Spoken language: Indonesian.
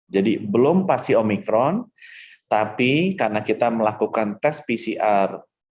jadi belum pasti omicron tapi karena kita melakukan tes pcr